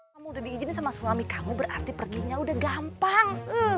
kamu udah diizinin sama suami kamu berarti perginya udah gampang